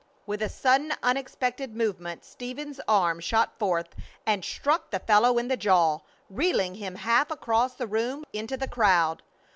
With a sudden unexpected movement Stephen's arm shot forth and struck the fellow in the jaw, reeling him half across the room into the crowd.